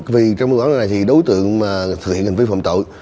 vì trong vụ án này thì đối tượng mà thực hiện hành vi phạm tội